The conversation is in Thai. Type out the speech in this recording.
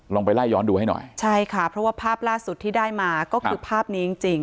ไปไล่ย้อนดูให้หน่อยใช่ค่ะเพราะว่าภาพล่าสุดที่ได้มาก็คือภาพนี้จริงจริง